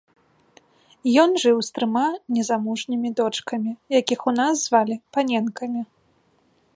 Ён жыў з трыма незамужнімі дочкамі, якіх у нас звалі паненкамі.